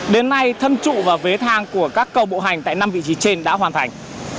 đến nay thân trụ và vế thang của các cầu bộ hành tại năm vị trí trên đã hoàn thành